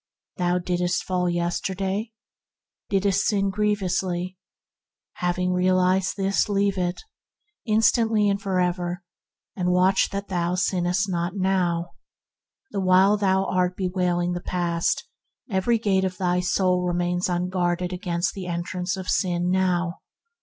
Thou didst fall yesterday ? Didst sin grievously ? Having realized this, leave it instantly and for ever, and watch that thou THE ETERNAL NOW 97 sinnest not now. The while thou art bewail ing the past every gate of thy soul remaineth unguarded against the entrance of sin now.